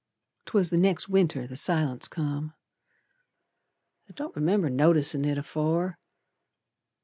'Twas the next Winter the silence come, I don't remember noticin' it afore.